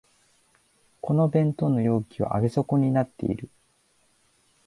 この弁当の容器は上げ底になってる